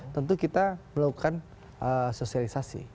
tentu kita melakukan sosialisasi